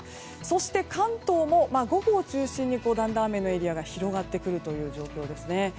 そして、関東も午後を中心にだんだん雨のエリアが広がってくるという状況ですね。